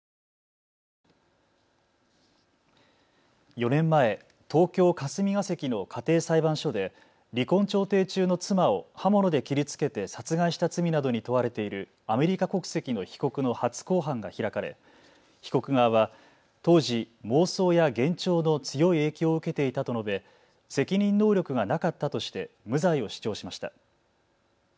４年前、東京霞が関の家庭裁判所で離婚調停中の妻を刃物で切りつけて殺害した罪などに問われているアメリカ国籍の被告の初公判が開かれ被告側は当時、妄想や幻聴の強い影響を受けていたと述べ責任能力がなかったとして無罪を主張しました。